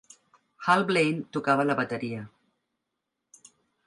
Hal Blaine tocava la bateria.